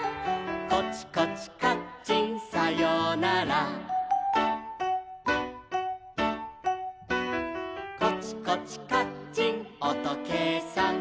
「コチコチカッチンさようなら」「コチコチカッチンおとけいさん」